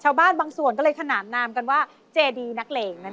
บางส่วนก็เลยขนานนามกันว่าเจดีนักเหลงนั่นเอง